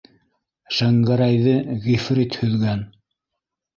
Шәңгәрәйҙе Ғифрит һөҙгән!